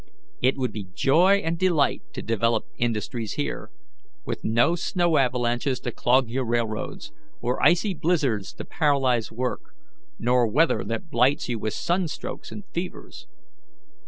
"It would be joy and delight to develop industries here, with no snow avalanches to clog your railroads, or icy blizzards to paralyze work, nor weather that blights you with sun strokes and fevers.